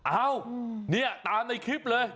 เอ้านี่ตามในคลิปเลย